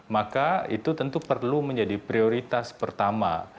maka itu tentu perlu menjadi prioritas pertama